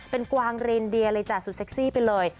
เป็นกวางเรนเดียเลยจ้ะสุดเซ็กซี่ไปเลย